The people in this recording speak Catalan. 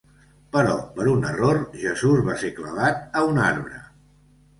Però per un error, Jesús va ser clavat a un arbre.